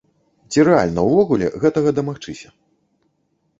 Ці рэальна ўвогуле гэтага дамагчыся?